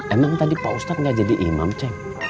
emang tadi pak ustadz gak jadi imam cek